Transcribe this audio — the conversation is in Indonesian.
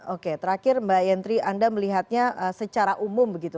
oke terakhir mbak yentri anda melihatnya secara umum begitu